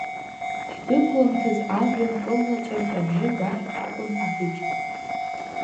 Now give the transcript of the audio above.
Ҳдәықәламҭаз, ажәҩан кылнаҵәартә абжьы гар акәын абыкь.